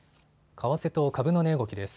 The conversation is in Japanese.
為替と株の値動きです。